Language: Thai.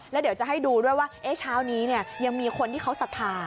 แล้วเดี๋ยวจะให้ดูด้วยว่าเช้านี้ยังมีคนที่เขาศรัทธา